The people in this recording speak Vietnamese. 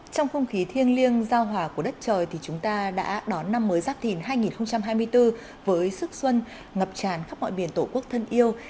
trong không khí thiêng liêng giao hòa của đất trời thì chúng ta đã đón năm mới giáp thìn hai nghìn hai mươi bốn với sức xuân ngập tràn khắp mọi biển tổ quốc thân yêu